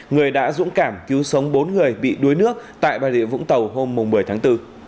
người đã dũng cảm cứu sống bốn người bị đuối nước tại bà rịa vũng tàu hôm một mươi tháng bốn